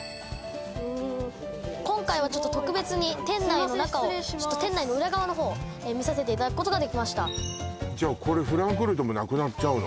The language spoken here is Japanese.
今回はちょっと特別に店内のなかを店内の裏側のほうを見させていただくことができましたじゃあこれフランクフルトもなくなっちゃうの？